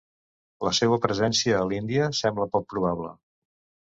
La seua presència a l'Índia sembla poc probable.